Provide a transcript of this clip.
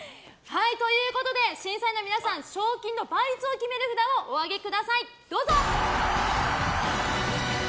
審査員の皆さん賞金の倍率を決める札をお上げください、どうぞ！